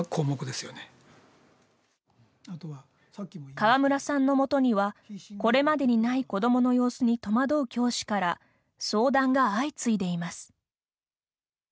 河村さんの元にはこれまでにない子どもの様子に戸惑う教師から相談が相次いでいます。